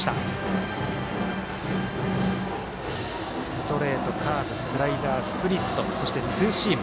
ストレート、カーブスライダースプリット、そしてツーシーム。